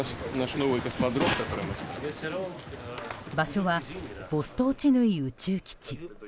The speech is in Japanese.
場所はボストーチヌイ宇宙基地。